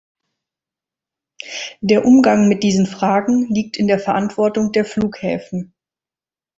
Der Umgang mit diesen Fragen liegt in der Verantwortung der Flughäfen.